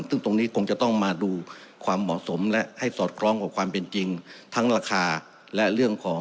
ซึ่งตรงนี้คงจะต้องมาดูความเหมาะสมและให้สอดคล้องกับความเป็นจริงทั้งราคาและเรื่องของ